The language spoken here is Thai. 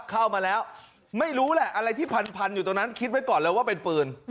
เข้ามาแล้วไม่รู้แหละอะไรที่พันอยู่ตรงนั้นคิดไว้ก่อนเลยว่าเป็นปืน